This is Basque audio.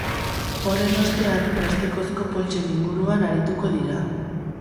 Horren ostean, plastikozko boltsen inguruan arituko dira.